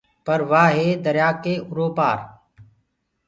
پر وآ هي دريآ ڪي اُرو پآر۔